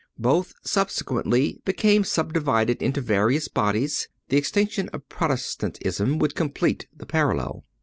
Both subsequently became subdivided into various bodies. The extinction of Protestantism would complete the parallel.